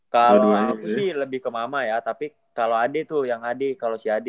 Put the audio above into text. kalo aku sih lebih ke mama ya tapi kalo ade tuh yang ade kalo si ade